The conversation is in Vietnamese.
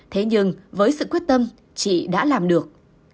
thế nhưng với sự quyết tâm chị đã làm được